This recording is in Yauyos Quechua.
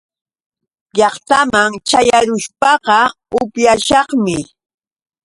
Llaqtaman ćhayarushpaqa upyashaqmi.